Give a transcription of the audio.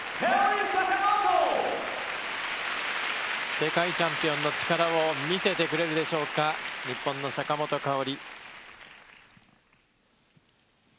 世界チャンピオンの力を見せてくれるでしょうか日本の坂本花織。